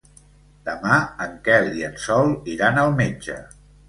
Demà en Quel i en Sol iran al metge.